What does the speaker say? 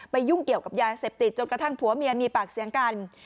ยุ่งเกี่ยวกับยาเสพติดจนกระทั่งผัวเมียมีปากเสียงกัน